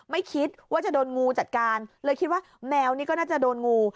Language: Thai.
ไม่คิดว่าจะโดนงูจัดการเลยคิดว่าแมวนี่ก็น่าจะโดนงู